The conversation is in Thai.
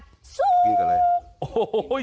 กินกันเลย